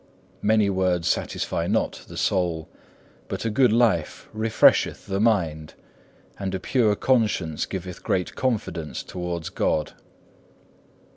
Many words satisfy not the soul, but a good life refresheth the mind, and a pure conscience giveth great confidence towards God.